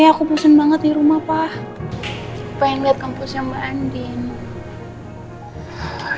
gak pengen liat kampusnya mbak andin